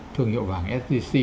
thương hiệu vàng sgc